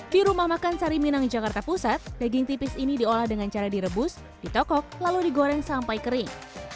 di rumah makan sari minang jakarta pusat daging tipis ini diolah dengan cara direbus ditokok lalu digoreng sampai kering